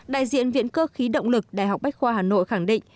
đại diện viện cơ khí động lực đại học bách khoa hà nội khẳng định